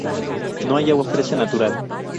No hay agua fresca natural.